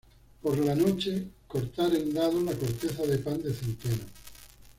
Por la noche, cortar en dados la corteza de pan de centeno.